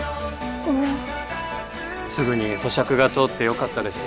ごめんすぐに保釈が通ってよかったです